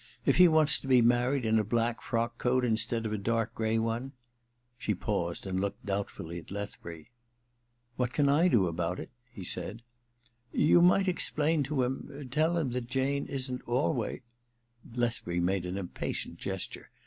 If he wanfs to be married in a black frock coat instead of a dark gray one ^ She paused and looked doubtfully at Lethbury. * What can I do aoout it ?' he said. *You might explain to him — tell him that Jane isn't always ^ Lethbury made an impatient gesture.